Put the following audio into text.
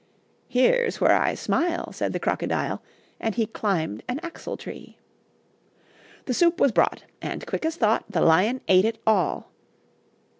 "Here's where I smile," Said the Crocodile, And he climbed an axle tree. The soup was brought, And quick as thought, The Lion ate it all.